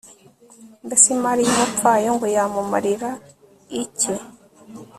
mbese imari y'umupfayongo yamumarira ike